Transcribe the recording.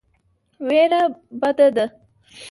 وېره بده ده.